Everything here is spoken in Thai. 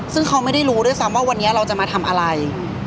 ซึ่งเขาไม่ได้รู้ด้วยซ้ำว่าวันนี้เราจะมาทำอะไร